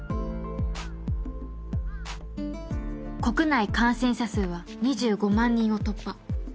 国内感染者数は２５万人を突破